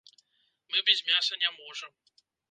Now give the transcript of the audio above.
Мы без мяса не можам.